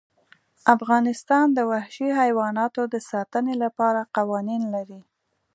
افغانستان د وحشي حیواناتو د ساتنې لپاره قوانین لري.